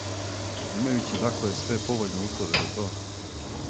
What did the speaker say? Имајући дакле све повољне услове за то